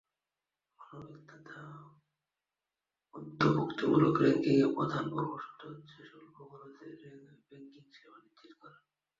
মানবিক তথা অন্তর্ভুক্তিমূলক ব্যাংকিংয়ের প্রধান পূর্বশর্ত হচ্ছে স্বল্প খরচে ব্যাংকিংসেবা নিশ্চিত করা।